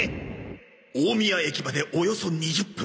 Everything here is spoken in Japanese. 大宮駅までおよそ２０分